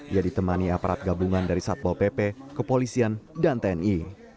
ia ditemani aparat gabungan dari satpol pp kepolisian dan tni